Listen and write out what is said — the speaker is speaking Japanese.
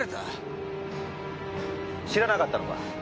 知らなかったのか？